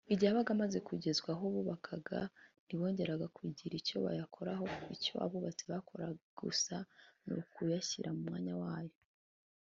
igihe yabaga amaze kugezwa aho bubakaga, ntibongeraga kugira icyo bayakoraho; icyo abubatsi bakoraga gusa ni ukuyashyiraga mu myanya yayo